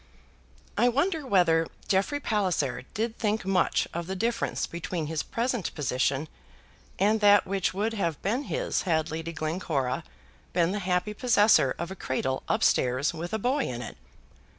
I wonder whether Jeffrey Palliser did think much of the difference between his present position and that which would have been his had Lady Glencora been the happy possessor of a cradle up stairs with a boy in it.